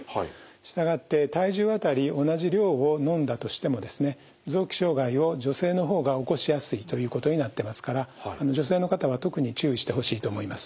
従って体重当たり同じ量を飲んだとしてもですね臓器障害を女性の方が起こしやすいということになってますから女性の方は特に注意してほしいと思います。